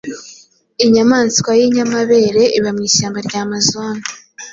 inyamaswa y’ inyamabere iba mu ishyamba rya amazon,